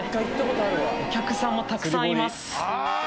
お客さんもたくさんいます。